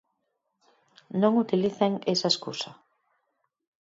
Non utilicen esa escusa.